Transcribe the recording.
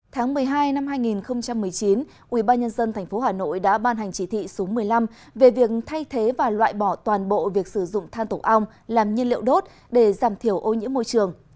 tháng một mươi hai năm hai nghìn một mươi chín ubnd tp hà nội đã ban hành chỉ thị số một mươi năm về việc thay thế và loại bỏ toàn bộ việc sử dụng than tổng ong làm nhiên liệu đốt để giảm thiểu ô nhiễm môi trường